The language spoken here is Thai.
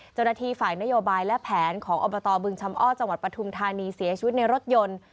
เจ้าหน้าที่ฝ่ายนโยบายและแผนของอบตบึงชำอ้อจังหวัดปฐุมธานีเสียชีวิตในรถยนต์